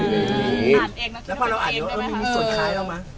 แล้วพอเราอ่านด้วยว่ามีสวยคล้ายเราไหม